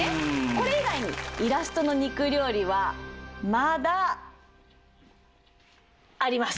これ以外にイラストの肉料理はまだ。あります。